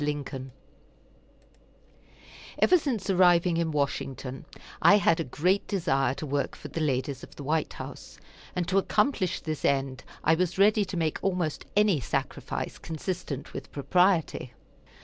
LINCOLN Ever since arriving in Washington I had a great desire to work for the ladies of the White House, and to accomplish this end I was ready to make almost any sacrifice consistent with propriety.